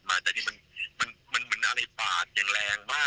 เหมือนที่นี่แหละ